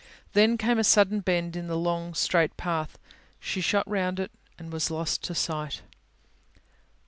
Then came a sudden bend in the long, straight path. She shot round it, and was lost to sight.